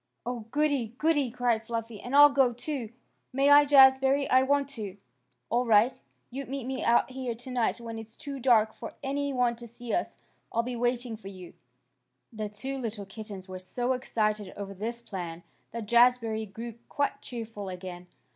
"Oh, goody! goody!" cried Fluffy. "And I'll go, too. May I, Jazbury? I want to." "All right. You meet me out here tonight when it's too dark for any one to see us. I'll be waiting for you." The two little kittens were so excited over this plan that Jazbury grew quite cheerful again.